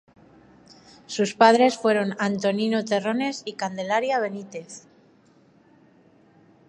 Sus Padres fueron Antonino Terrones y Candelaria Benítez.